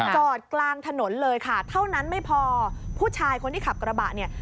จอดกลางถนนเลยค่ะเท่านั้นไม่พอผู้ชายคนที่ขับกระบะเนี่ย